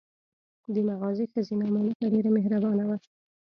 د مغازې ښځینه مالکه ډېره مهربانه وه.